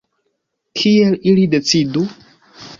Kiel ili decidu?